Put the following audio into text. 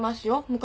昔。